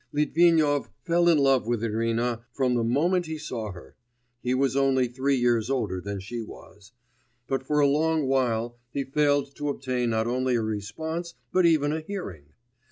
Litvinov fell in love with Irina from the moment he saw her (he was only three years older than she was), but for a long while he failed to obtain not only a response, but even a hearing.